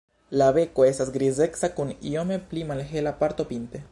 La beko estas grizeca kun iome pli malhela parto pinte.